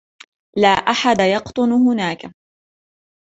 لا أحد يقطن هناك.